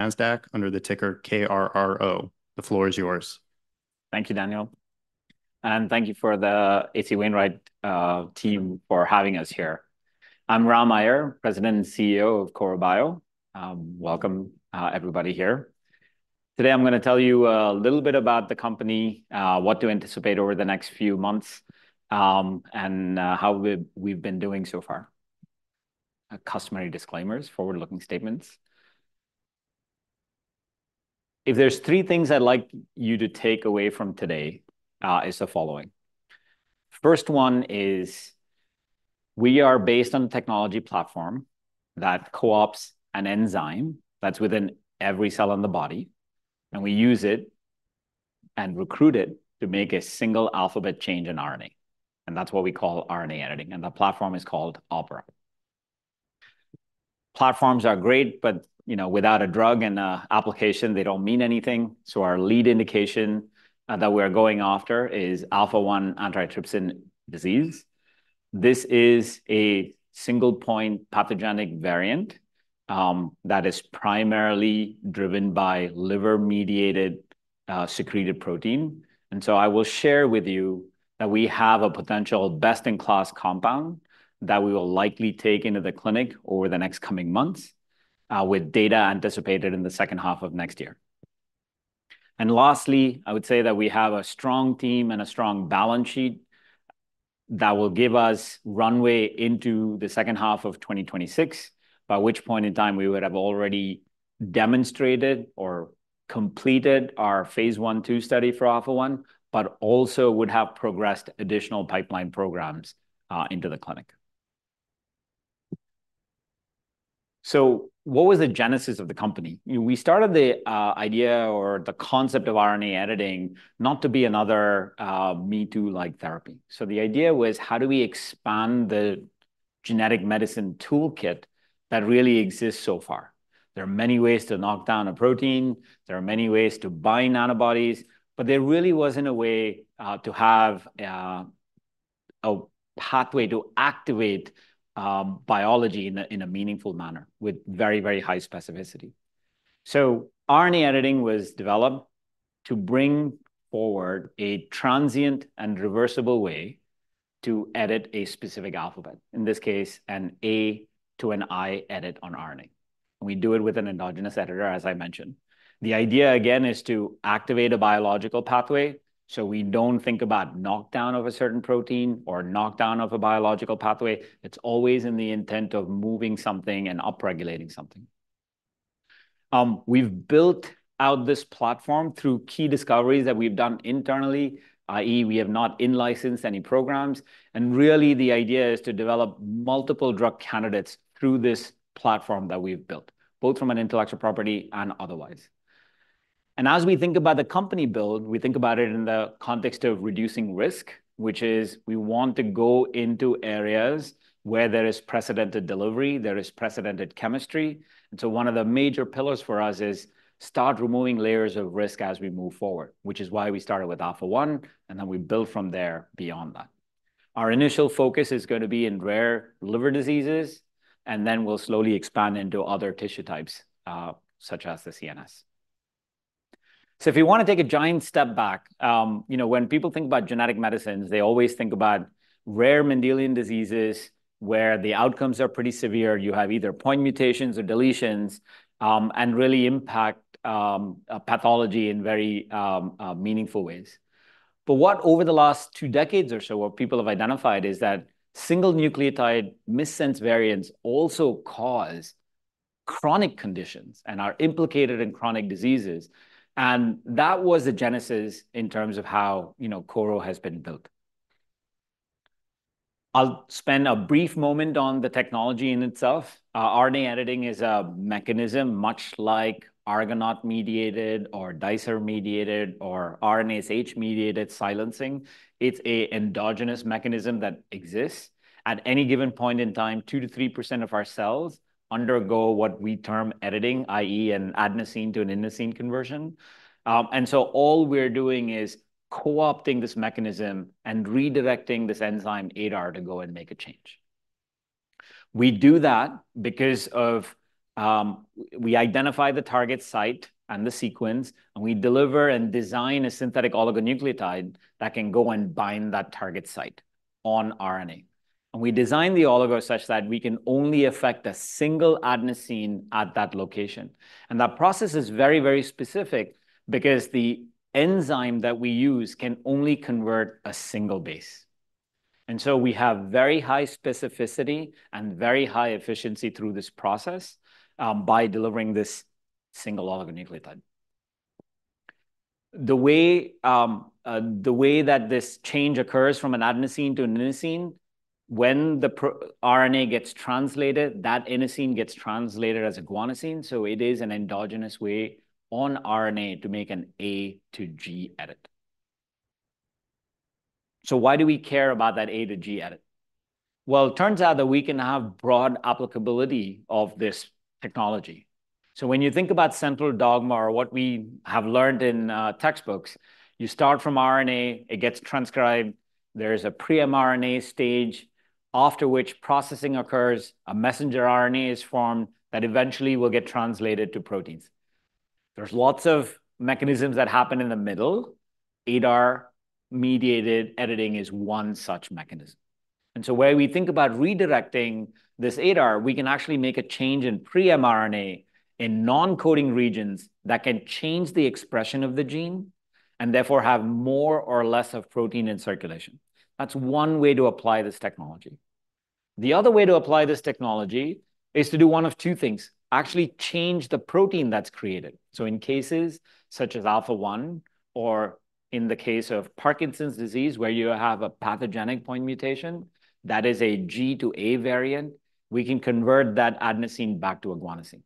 Nasdaq under the ticker KRRO. The floor is yours. Thank you, Daniel, and thank you for the H.C. Wainwright team for having us here. I'm Ram Aiyar, President and CEO of Korro Bio. Welcome, everybody here. Today I'm gonna tell you a little bit about the company, what to anticipate over the next few months, and how we've been doing so far. Customary disclaimers, forward-looking statements. If there's three things I'd like you to take away from today, it's the following. First one is, we are based on a technology platform that co-opts an enzyme that's within every cell in the body, and we use it and recruit it to make a single alphabet change in RNA, and that's what we call RNA editing, and the platform is called OPERA. Platforms are great, but, you know, without a drug and a application, they don't mean anything. So our lead indication that we're going after is alpha-1 antitrypsin disease. This is a single point pathogenic variant that is primarily driven by liver-mediated secreted protein. So I will share with you that we have a potential best-in-class compound that we will likely take into the clinic over the next coming months with data anticipated in the second half of next year. Lastly, I would say that we have a strong team and a strong balance sheet that will give us runway into the second half of 2026, by which point in time we would have already demonstrated or completed our phase I/II study for alpha-1, but also would have progressed additional pipeline programs into the clinic. So what was the genesis of the company? We started the idea or the concept of RNA editing not to be another me-too-like therapy. So the idea was: how do we expand the genetic medicine toolkit that really exists so far? There are many ways to knock down a protein, there are many ways to bind antibodies, but there really wasn't a way to have a pathway to activate biology in a meaningful manner, with very, very high specificity. So RNA editing was developed to bring forward a transient and reversible way to edit a specific alphabet, in this case, an A to an I edit on RNA. And we do it with an endogenous editor, as I mentioned. The idea, again, is to activate a biological pathway, so we don't think about knockdown of a certain protein or knockdown of a biological pathway. It's always in the intent of moving something and upregulating something. We've built out this platform through key discoveries that we've done internally, i.e., we have not in-licensed any programs. And really, the idea is to develop multiple drug candidates through this platform that we've built, both from an intellectual property and otherwise. And as we think about the company build, we think about it in the context of reducing risk, which is, we want to go into areas where there is precedented delivery, there is precedented chemistry. And so one of the major pillars for us is start removing layers of risk as we move forward, which is why we started with alpha-1, and then we build from there beyond that. Our initial focus is gonna be in rare liver diseases, and then we'll slowly expand into other tissue types, such as the CNS. So if you want to take a giant step back, you know, when people think about genetic medicines, they always think about rare Mendelian diseases, where the outcomes are pretty severe, you have either point mutations or deletions, and really impact a pathology in very meaningful ways. But what over the last two decades or so, what people have identified is that single nucleotide missense variants also cause chronic conditions and are implicated in chronic diseases, and that was the genesis in terms of how, you know, Korro has been built. I'll spend a brief moment on the technology in itself. RNA editing is a mechanism much like Argonaute-mediated or Dicer-mediated or RNase H-mediated silencing. It's an endogenous mechanism that exists. At any given point in time, 2%-3% of our cells undergo what we term editing, i.e., an adenosine to an inosine conversion. And so all we're doing is co-opting this mechanism and redirecting this enzyme, ADAR, to go and make a change. We do that because of. We identify the target site and the sequence, and we deliver and design a synthetic oligonucleotide that can go and bind that target site on RNA. And we design the oligo such that we can only affect a single adenosine at that location. And that process is very, very specific because the enzyme that we use can only convert a single base. And so we have very high specificity and very high efficiency through this process by delivering this single oligonucleotide. The way that this change occurs from an adenosine to an inosine, when the pre-mRNA gets translated, that inosine gets translated as a guanosine, so it is an endogenous way on RNA to make an A to G edit. So why do we care about that A to G edit? Well, it turns out that we can have broad applicability of this technology. So when you think about central dogma or what we have learned in textbooks, you start from RNA. There is a pre-mRNA stage, after which processing occurs. A messenger RNA is formed that eventually will get translated to proteins. There's lots of mechanisms that happen in the middle. ADAR-mediated editing is one such mechanism. And so where we think about redirecting this ADAR, we can actually make a change in pre-mRNA in non-coding regions that can change the expression of the gene, and therefore have more or less of protein in circulation. That's one way to apply this technology. The other way to apply this technology is to do one of two things: actually change the protein that's created. So in cases such as alpha-1, or in the case of Parkinson's disease, where you have a pathogenic point mutation, that is a G to A variant, we can convert that adenosine back to guanosine,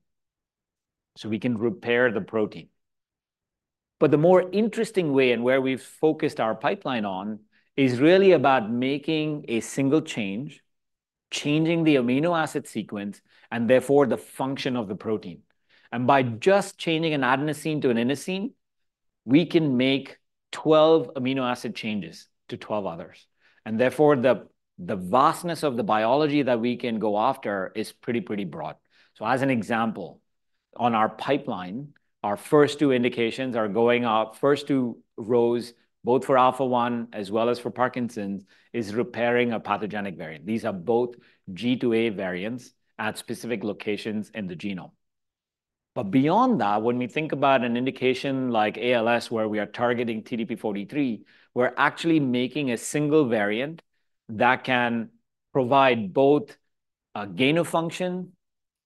so we can repair the protein. But the more interesting way, and where we've focused our pipeline on, is really about making a single change, changing the amino acid sequence, and therefore the function of the protein. And by just changing an adenosine to an inosine, we can make twelve amino acid changes to twelve others, and therefore, the, the vastness of the biology that we can go after is pretty, pretty broad. So as an example, on our pipeline, our first two indications are going up. First two rows, both for alpha-1 as well as for Parkinson's, is repairing a pathogenic variant. These are both G to A variants at specific locations in the genome. But beyond that, when we think about an indication like ALS, where we are targeting TDP-43, we're actually making a single variant that can provide both a gain of function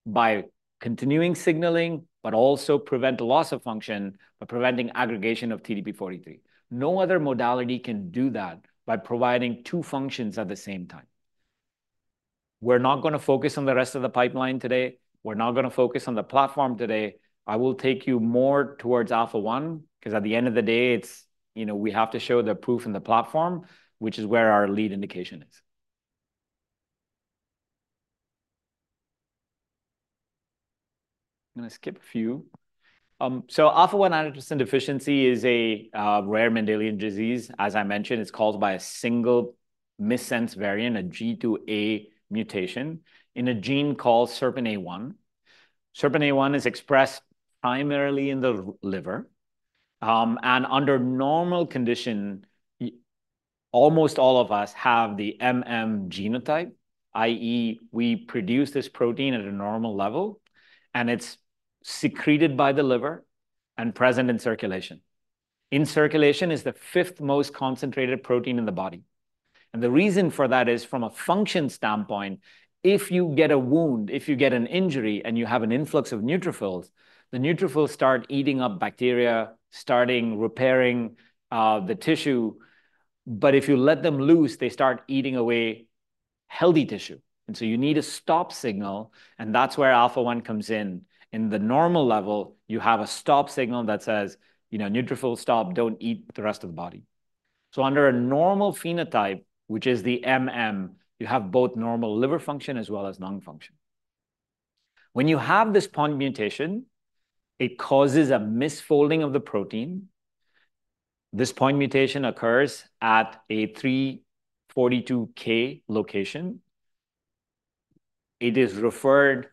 by continuing signaling, but also prevent loss of function by preventing aggregation of TDP-43. No other modality can do that by providing two functions at the same time. We're not gonna focus on the rest of the pipeline today. We're not gonna focus on the platform today. I will take you more towards alpha-1, 'cause at the end of the day, it's, you know, we have to show the proof in the platform, which is where our lead indication is. I'm gonna skip a few. So alpha-1 antitrypsin deficiency is a rare Mendelian disease. As I mentioned, it's caused by a single missense variant, a G to A mutation, in a gene called SERPINA1. SERPINA1 is expressed primarily in the liver, and under normal condition, almost all of us have the MM genotype, i.e., we produce this protein at a normal level, and it's secreted by the liver and present in circulation. In circulation, it's the fifth most concentrated protein in the body, and the reason for that is, from a function standpoint, if you get a wound, if you get an injury, and you have an influx of neutrophils, the neutrophils start eating up bacteria, starting repairing, the tissue. But if you let them loose, they start eating away healthy tissue, and so you need a stop signal, and that's where alpha-1 comes in. In the normal level, you have a stop signal that says, you know, "Neutrophil, stop, don't eat the rest of the body." So under a normal phenotype, which is the MM, you have both normal liver function as well as lung function. When you have this point mutation, it causes a misfolding of the protein. This point mutation occurs at an E342K location. It is referred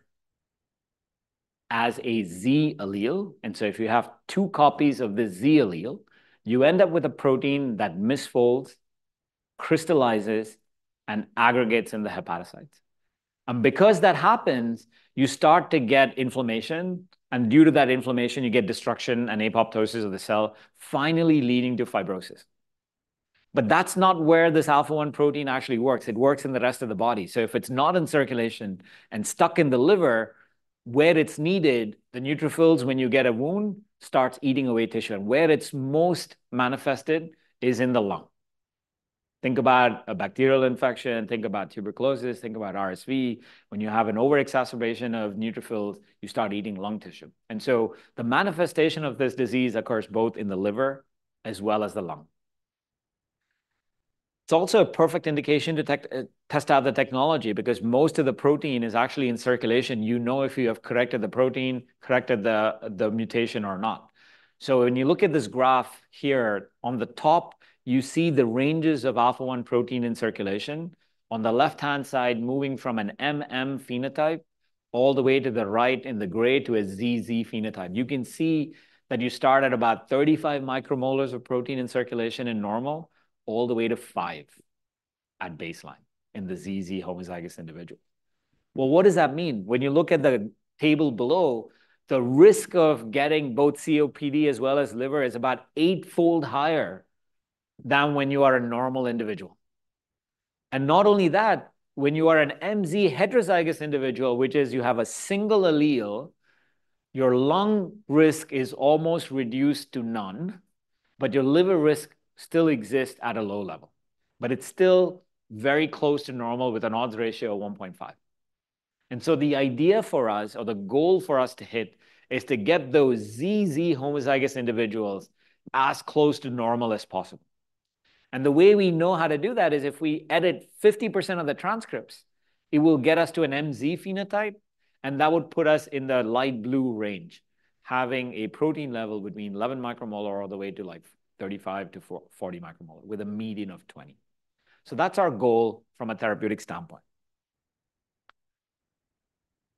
to as a Z allele, and so if you have two copies of the Z allele, you end up with a protein that misfolds, crystallizes, and aggregates in the hepatocytes, and because that happens, you start to get inflammation, and due to that inflammation, you get destruction and apoptosis of the cell, finally leading to fibrosis, but that's not where this alpha-1 protein actually works. It works in the rest of the body, so if it's not in circulation and stuck in the liver where it's needed, the neutrophils, when you get a wound, starts eating away tissue, and where it's most manifested is in the lung. Think about a bacterial infection, think about tuberculosis, think about RSV. When you have an over-exacerbation of neutrophils, you start eating lung tissue, and so the manifestation of this disease occurs both in the liver as well as the lung. It's also a perfect indication to test out the technology, because most of the protein is actually in circulation. You know if you have corrected the protein, corrected the mutation or not. So when you look at this graph here, on the top, you see the ranges of alpha-1 protein in circulation. On the left-hand side, moving from an MM phenotype, all the way to the right in the gray to a ZZ phenotype. You can see that you start at about 35 micromolars of protein in circulation in normal, all the way to five at baseline in the ZZ homozygous individual. What does that mean? When you look at the table below, the risk of getting both COPD as well as liver is about eightfold higher than when you are a normal individual. Not only that, when you are an MZ heterozygous individual, which is you have a single allele, your lung risk is almost reduced to none, but your liver risk still exists at a low level, but it's still very close to normal, with an odds ratio of 1.5. The idea for us, or the goal for us to hit, is to get those ZZ homozygous individuals as close to normal as possible. The way we know how to do that is if we edit 50% of the transcripts, it will get us to an MZ phenotype, and that would put us in the light blue range, having a protein level between 11 micromolar all the way to, like, 35 to 40 micromolar, with a median of 20. That's our goal from a therapeutic standpoint.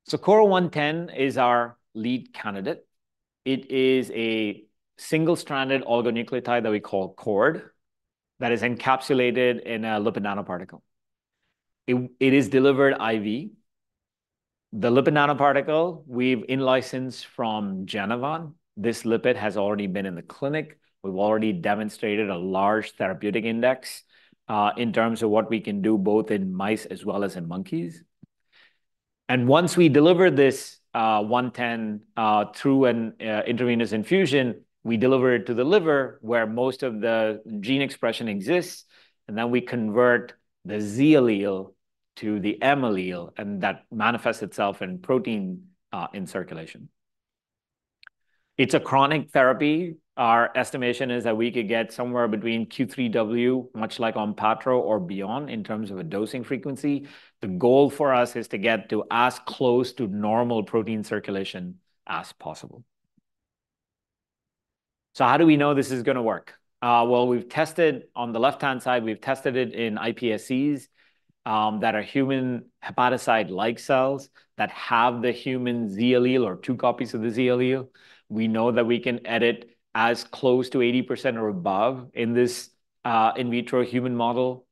KRRO-110 is our lead candidate. It is a single-stranded oligonucleotide that we call OPERA, that is encapsulated in a lipid nanoparticle. It is delivered IV. The lipid nanoparticle, we've in-licensed from Genevant. This lipid has already been in the clinic. We've already demonstrated a large therapeutic index in terms of what we can do, both in mice as well as in monkeys. And once we deliver this KRRO-110 through an intravenous infusion, we deliver it to the liver, where most of the gene expression exists, and then we convert the Z allele to the M allele, and that manifests itself in protein in circulation. It's a chronic therapy. Our estimation is that we could get somewhere between Q3W, much like Onpattro or beyond, in terms of a dosing frequency. The goal for us is to get to as close to normal protein circulation as possible. So how do we know this is gonna work? Well, we've tested. On the left-hand side, we've tested it in iPSCs, that are human hepatocyte-like cells that have the human Z allele, or two copies of the Z allele. We know that we can edit as close to 80% or above in this in vitro human model.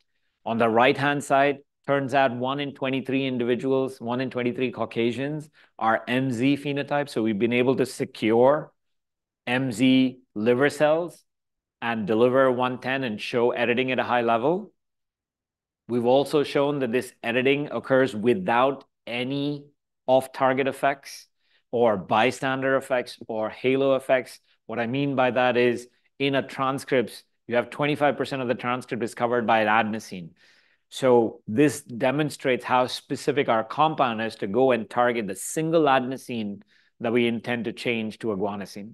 On the right-hand side, turns out one in 23 individuals, one in 23 Caucasians, are MZ phenotypes, so we've been able to secure MZ liver cells and deliver 110 and show editing at a high level. We've also shown that this editing occurs without any off-target effects or bystander effects or halo effects. What I mean by that is, in a transcript, you have 25% of the transcript is covered by an adenosine. This demonstrates how specific our compound is to go and target the single adenosine that we intend to change to a guanosine.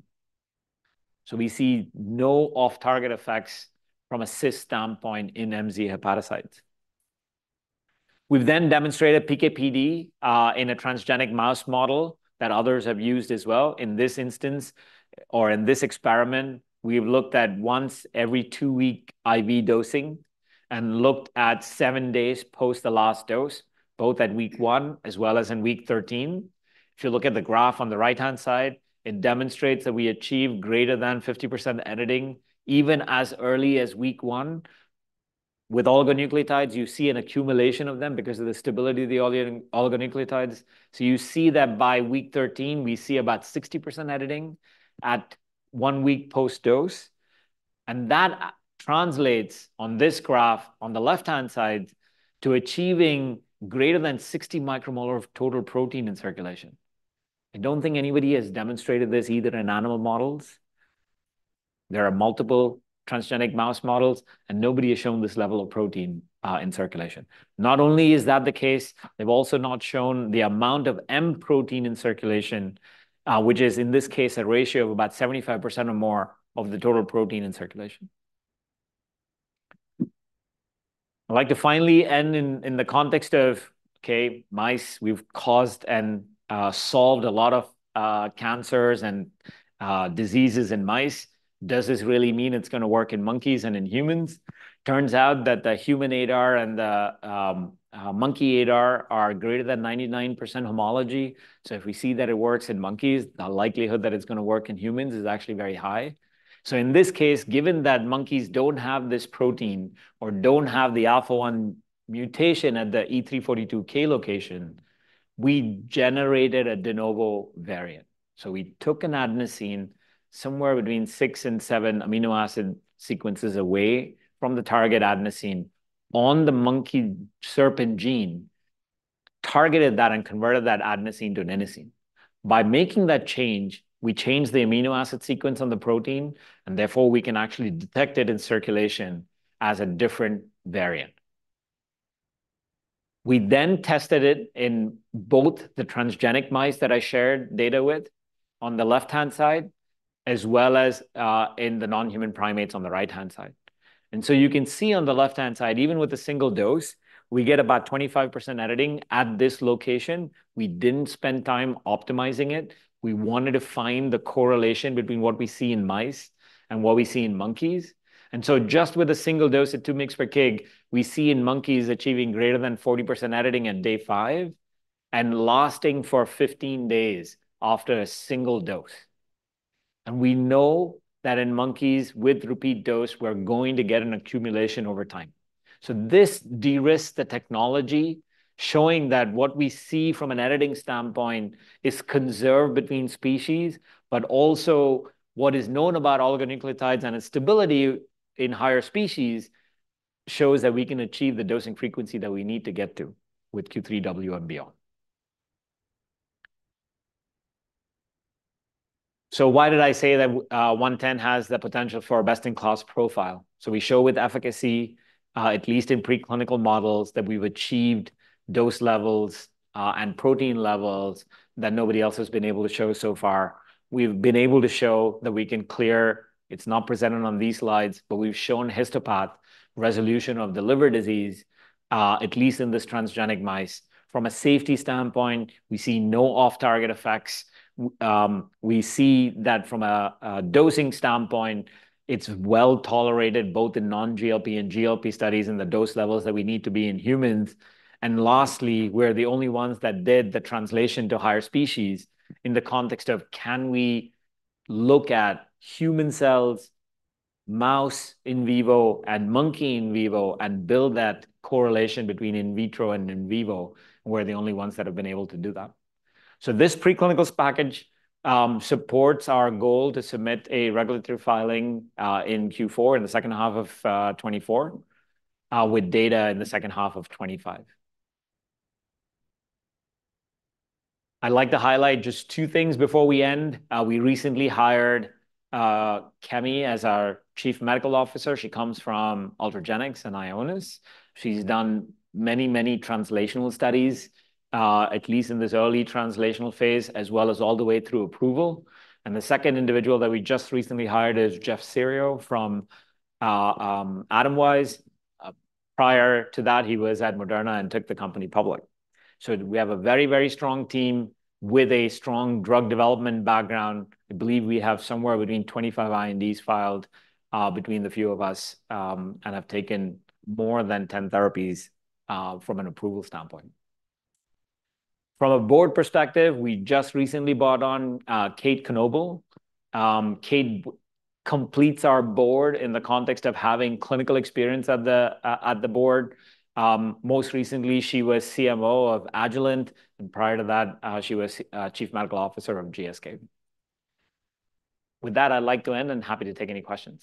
We see no off-target effects from a cis standpoint in MZ hepatocytes. We've then demonstrated PK/PD in a transgenic mouse model that others have used as well. In this instance, or in this experiment, we've looked at once every two-week IV dosing, and looked at seven days post the last dose, both at week one as well as in week 13. If you look at the graph on the right-hand side, it demonstrates that we achieve greater than 50% editing, even as early as week one. With oligonucleotides, you see an accumulation of them because of the stability of the oligonucleotides. So you see that by week 13, we see about 60% editing at one week post-dose, and that translates on this graph, on the left-hand side, to achieving greater than 60 micromolar of total protein in circulation. I don't think anybody has demonstrated this either in animal models. There are multiple transgenic mouse models, and nobody has shown this level of protein in circulation. Not only is that the case, they've also not shown the amount of M protein in circulation, which is, in this case, a ratio of about 75% or more of the total protein in circulation. I'd like to finally end in the context of okay, mice. We've caused and solved a lot of cancers and diseases in mice. Does this really mean it's gonna work in monkeys and in humans? Turns out that the human ADAR and the monkey ADAR are greater than 99% homology. So if we see that it works in monkeys, the likelihood that it's gonna work in humans is actually very high. So in this case, given that monkeys don't have this protein or don't have the alpha-1 mutation at the E342K location, we generated a de novo variant. So we took an adenosine somewhere between six and seven amino acid sequences away from the target adenosine on the monkey SERPINA1 gene, targeted that and converted that adenosine to an inosine. By making that change, we changed the amino acid sequence on the protein, and therefore we can actually detect it in circulation as a different variant. We then tested it in both the transgenic mice that I shared data with on the left-hand side, as well as, in the non-human primates on the right-hand side. And so you can see on the left-hand side, even with a single dose, we get about 25% editing at this location. We didn't spend time optimizing it. We wanted to find the correlation between what we see in mice and what we see in monkeys. And so just with a single dose at 2 mg per kg, we see in monkeys achieving greater than 40% editing at day five and lasting for 15 days after a single dose. And we know that in monkeys with repeat dose, we're going to get an accumulation over time. So this de-risks the technology, showing that what we see from an editing standpoint is conserved between species, but also what is known about oligonucleotides and its stability in higher species, shows that we can achieve the dosing frequency that we need to get to with Q3W and beyond. So why did I say that 110 has the potential for a best-in-class profile? So we show with efficacy, at least in preclinical models, that we've achieved dose levels and protein levels that nobody else has been able to show so far. We've been able to show that we can clear. It's not presented on these slides, but we've shown histopath resolution of the liver disease, at least in this transgenic mice. From a safety standpoint, we see no off-target effects. We see that from a dosing standpoint, it's well tolerated, both in non-GLP and GLP studies, in the dose levels that we need to be in humans. And lastly, we're the only ones that did the translation to higher species in the context of can we look at human cells, mouse in vivo, and monkey in vivo, and build that correlation between in vitro and in vivo? We're the only ones that have been able to do that. So this preclinical package supports our goal to submit a regulatory filing in Q4, in the second half of 2024, with data in the second half of 2025. I'd like to highlight just two things before we end. We recently hired Kemi as our Chief Medical Officer. She comes from Ultragenyx and Ionis. She's done many, many translational studies, at least in this early translational phase, as well as all the way through approval. And the second individual that we just recently hired is Jeff Cerio from Atomwise. Prior to that, he was at Moderna and took the company public. So we have a very, very strong team with a strong drug development background. I believe we have somewhere between 25 INDs filed between the few of us, and have taken more than 10 therapies from an approval standpoint. From a board perspective, we just recently brought on Kate Knobil. Kate completes our board in the context of having clinical experience at the board. Most recently, she was CMO of Agilent, and prior to that, she was Chief Medical Officer of GSK. With that, I'd like to end, and happy to take any questions.